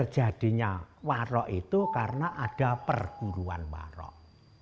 jadinya warok itu karena ada perguruan warok